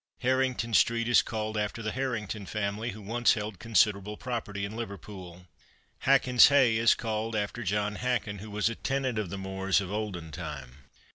Harrington street is called after the Harrington family, who once held considerable property in Liverpool. Hackin's hey is called after John Hackin, who was a tenant of the More's of olden time.